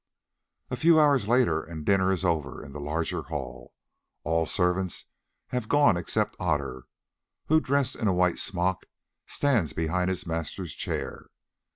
A few hours later and dinner is over in the larger hall. All the servants have gone except Otter, who dressed in a white smock stands behind his master's chair.